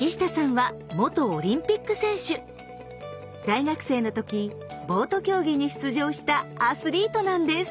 大学生の時ボート競技に出場したアスリートなんです。